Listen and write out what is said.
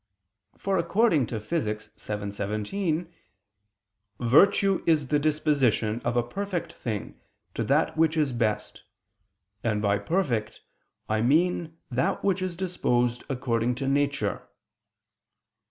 For according to Phys. vii, text. 17, "virtue is the disposition of a perfect thing to that which is best: and by perfect, I mean that which is disposed according to nature."